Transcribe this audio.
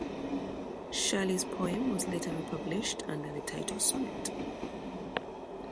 Shelley's poem was later republished under the title Sonnet.